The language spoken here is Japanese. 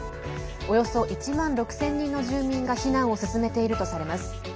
およそ１万６０００人の住民が避難を進めているとされます。